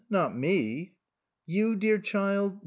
Not me ?"" You, dear child